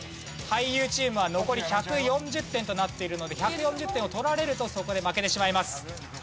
俳優チームは残り１４０点となっているので１４０点を取られるとそこで負けてしまいます。